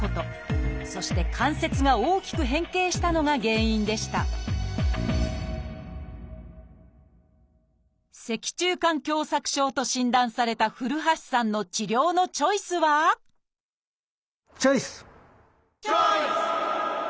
そして関節が大きく変形したのが原因でした「脊柱管狭窄症」と診断された古橋さんの治療のチョイスはチョイス！